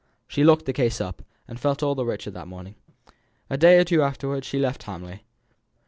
She locked the case up again, and felt all the richer for that morning. A day or two afterwards she left Hamley.